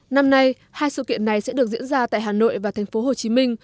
năm nay hai sự kiện này sẽ được diễn ra tại hà nội và thành phố hồ chí minh